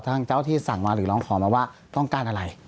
ทางเจ้าที่สั่งมาหรือร้องขอมาว่าต้องการอะไร